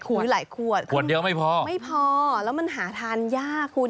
หลายขวดขวดเดียวไม่พอไม่พอแล้วมันหาทานยากคุณ